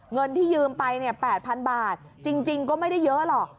เงินที่ยืมไป๘๐๐๐บาทจริงก็ไม่ได้เยอะหรอก